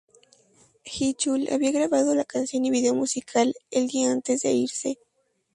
Heechul había grabado la canción y vídeo musical el día antes de irse.